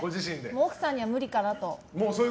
奥さんには無理かなと。